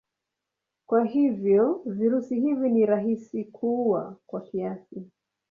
Kwa hivyo virusi hivi ni rahisi kuua kwa kiasi.